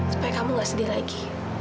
supaya kamu gak sedih lagi